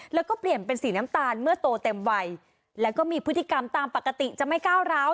แล้วก็เปลี่ยนเป็นสีน้ำตาลเมื่อโตเต็มวัยแล้วก็มีพฤติกรรมตามปกติจะไม่ก้าวร้าว